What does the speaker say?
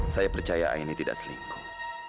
saya percaya ini tidak selingkuh